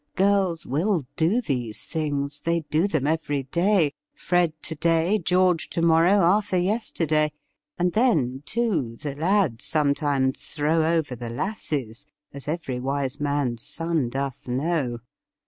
Girls will do these things — they do them every day — Fred to day, George to morrow, Arthur yesterday. And then, too, the lads sometimes throw over the lasses, as every wise man's son doth know.